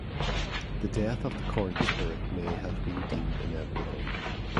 The death of the corn spirit may have been deemed inevitable.